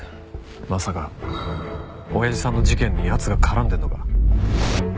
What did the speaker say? まかさ親父さんの事件に奴が絡んでるのか？